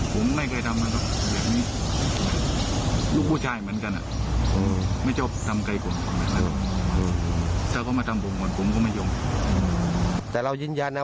ผมไม่เคยทำนะครับแบบนี้ลูกผู้ชายเหมือนกันนะ